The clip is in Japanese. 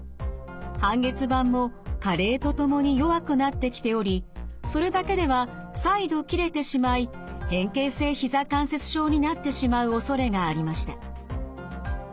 半月板も加齢とともに弱くなってきておりそれだけでは再度切れてしまい変形性ひざ関節症になってしまうおそれがありました。